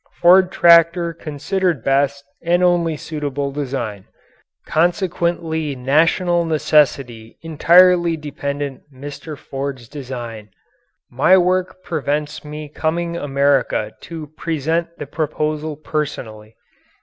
Ford Tractor considered best and only suitable design. Consequently national necessity entirely dependent Mr. Ford's design. My work prevents me coming America to present the proposal personally.